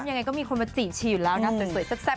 ยังไงก็มีคนมาจี่ฉี่อยู่แล้วนะ